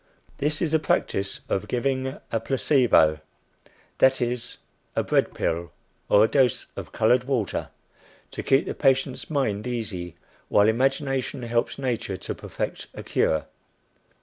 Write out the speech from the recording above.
This is the practice of giving a placebo; that is, a bread pill or a dose of colored water, to keep the patient's mind easy while imagination helps nature to perfect a cure.